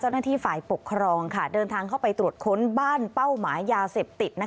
เจ้าหน้าที่ฝ่ายปกครองเดินทางเข้าไปตรวจค้นบ้านเป้าหมายยาเสพติด